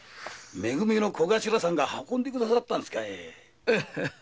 め組のコガシラさんが運んでくださったんですかい。